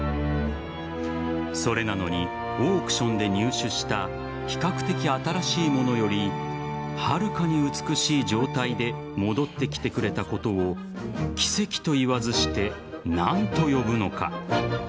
それなのにオークションで入手した比較的新しいものよりはるかに美しい状態で戻ってきてくれたことを奇跡と言わずして何と呼ぶのか。